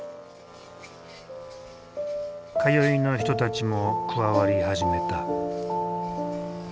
通いの人たちも加わり始めた。